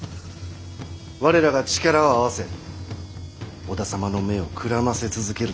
我らが力を合わせ織田様の目をくらませ続けるのじゃ。